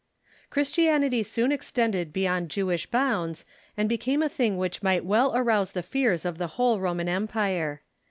Christianity soon extended beyond Jewish bounds, and be came a thing which might well arouse the fears of the whole Roman Empire.